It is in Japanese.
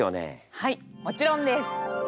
はいもちろんです！